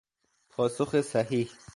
پاسخ صحیح